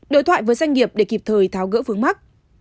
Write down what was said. đối thoại với doanh nghiệp để kịp thời tháo gỡ vướng mắt